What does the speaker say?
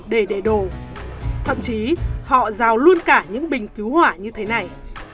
để đệ đồ thậm chí họ giao luôn cả những bình cứu hỏa như thế này